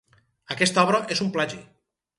Aquesta obra és un plagi.